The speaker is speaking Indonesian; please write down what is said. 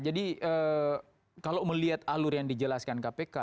jadi kalau melihat alur yang dijelaskan kpk